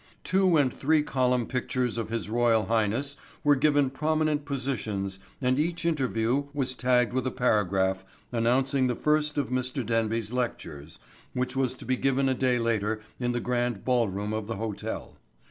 Two and three column pictures of His Royal Highness were given prominent positions and each interview was tagged with a paragraph announcing the first of Mr. Denby's lectures which was to be given a day later in the grand ballroom of the hotel.